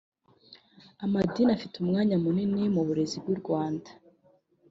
Amadini afite umwanya munini mu burezi bw’u Rwanda